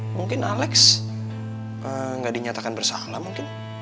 mungkin alex nggak dinyatakan bersalah mungkin